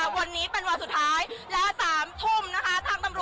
วันนี้เป็นวันสุดท้าย๓ทุ่มทางตำรวจยืนยันว่าจะมีกันปิด